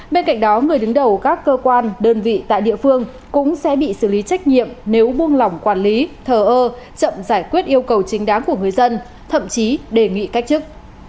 bên cạnh đó người đứng đầu các cơ quan đơn vị tại địa phương cũng sẽ bị xử lý trách nhiệm nếu buông lỏng quản lý thờ ơ chậm giải quyết yêu cầu chính đáng của người dân thậm chí đề nghị cách chức